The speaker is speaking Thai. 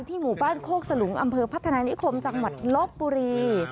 หมู่บ้านโคกสลุงอำเภอพัฒนานิคมจังหวัดลบบุรี